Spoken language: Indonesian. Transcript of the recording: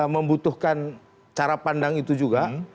membutuhkan cara pandang itu juga